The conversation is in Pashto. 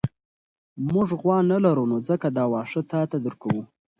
موږ غوا نه لرو نو ځکه دا واښه تاته درکوو.